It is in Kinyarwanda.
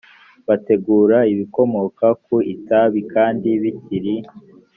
bategura ibikomoka ku itabi kandi bikiri